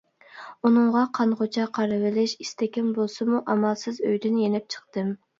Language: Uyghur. «ئۇنىڭغا قانغۇچە قارىۋېلىش ئىستىكىم بولسىمۇ ئامالسىز ئۆيدىن يېنىپ چىقتىم» .